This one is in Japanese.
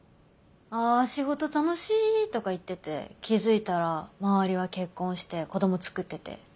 「あ仕事楽しい」とか言ってて気付いたら周りは結婚して子どもつくってて。